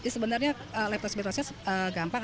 sebenarnya leptospirosis gampang